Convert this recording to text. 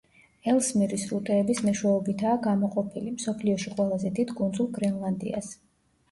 ელსმირი სრუტეების მეშვეობითაა გამოყოფილი, მსოფლიოში ყველაზე დიდ კუნძულ გრენლანდიას.